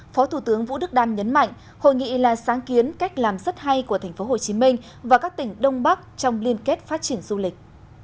phó thủ tướng vũ đức đam nhấn mạnh hội nghị là sáng kiến cách làm rất hay của tp hcm và các tỉnh đông bắc trong liên kết phát triển du lịch